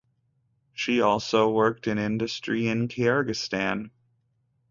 She also worked in industry in Kyrgyzstan.